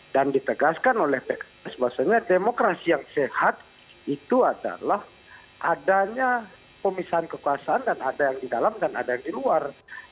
dan ditegaskan oleh pks bahwasannya demokrasi yang sehat itu adalah adanya pemisahan kekuasaan dan ada yang di dalam dan ada yang di luar